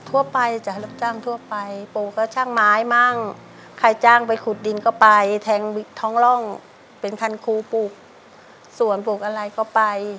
ทั่วไปจ้ะลูกจ้างทั่วไปปลูกก็ช่างไม้มั่งใครจ้างไปขุดดินก็ไปแทงท้องร่องเป็นคันครูปส่วนปลูกอะไรก็ไป